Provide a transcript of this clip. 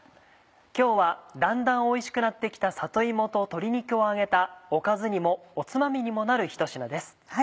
今日はだんだんおいしくなって来た里芋と鶏肉を揚げたおかずにもおつまみにもなるひと品です。